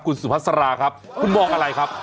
คุณสุพัสราครับคุณบอกอะไรครับ